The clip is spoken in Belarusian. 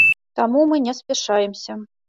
Таму мы не спяшаемся.